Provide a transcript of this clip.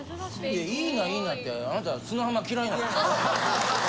いいないいなってあなた砂浜嫌いなんでしょ？